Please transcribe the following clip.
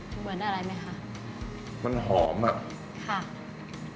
อืมเหมือนอะไรมั้ยครับ